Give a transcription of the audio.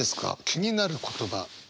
気になる言葉。